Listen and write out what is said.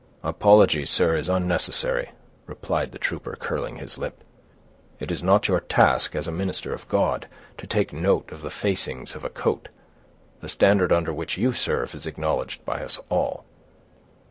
"Apology, sir, is unnecessary," replied the trooper, curling his lip. "It is not your task, as a minister of God, to take note of the facings of a coat. The standard under which you serve is acknowledged by us all."